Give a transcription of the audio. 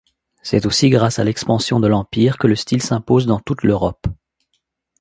C'est aussi grâce à l'expansion de l'Empire que le style s'impose dans toute l'Europe.